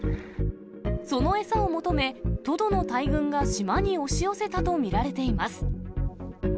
その餌を求め、トドの大群が島に押し寄せたと見られています。